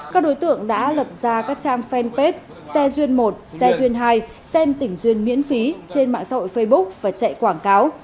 các đối tượng đã lập ra các trang fanpage xe duyên một xe duyên hai xem tỉnh duyên miễn phí trên mạng xã hội facebook và chạy quảng cáo